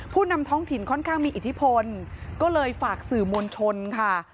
นำท้องถิ่นค่อนข้างมีอิทธิพลก็เลยฝากสื่อมวลชนค่ะ